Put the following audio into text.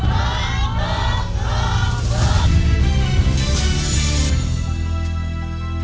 โรงพยาบาลที่สุดท้าย